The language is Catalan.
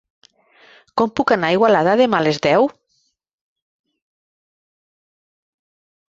Com puc anar a Igualada demà a les deu?